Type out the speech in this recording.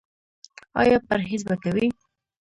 ایا پرهیز به کوئ؟